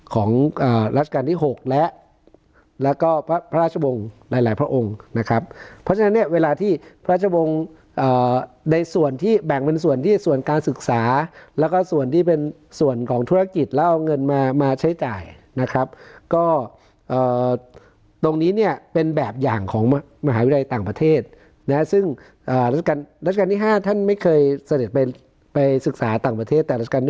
ของรัชกาลที่๖และแล้วก็พระราชวงศ์หลายหลายพระองค์นะครับเพราะฉะนั้นเนี่ยเวลาที่พระราชวงศ์ในส่วนที่แบ่งเป็นส่วนที่ส่วนการศึกษาแล้วก็ส่วนที่เป็นส่วนของธุรกิจแล้วเอาเงินมามาใช้จ่ายนะครับก็ตรงนี้เนี่ยเป็นแบบอย่างของมหาวิทยาลัยต่างประเทศนะซึ่งรัชกาลที่๕ท่านไม่เคยเสด็จไปไปศึกษาต่างประเทศ